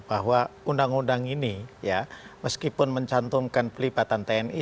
bahwa undang undang ini ya meskipun mencantumkan pelibatan tni